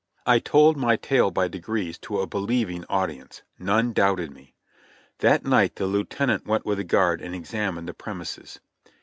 I told my tale by degrees to a believing audience — none doubted me. That night the lieutenant went with a guard and examined the premises.